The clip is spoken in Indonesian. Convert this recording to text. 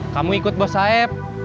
kamu ikut bos saeb